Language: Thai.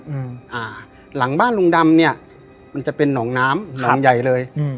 อืมอ่าหลังบ้านลุงดำเนี้ยมันจะเป็นหนองน้ำหนองใหญ่เลยอืม